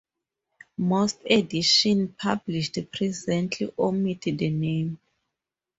Most editions published presently omit the name.